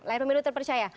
layar pemilu terpercaya